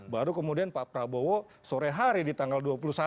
baru kemudian pak prabowo sore hari di tanggal dua puluh satu